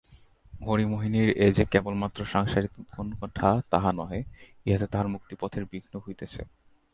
হরিমোহিনীর এ যে কেবলমাত্র সাংসারিক উৎকণ্ঠা তাহা নহে, ইহাতে তাঁহার মুক্তিপথের বিঘ্ন হইতেছে।